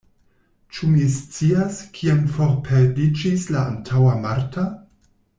Ĉu mi scias, kien forperdiĝis la antaŭa Marta?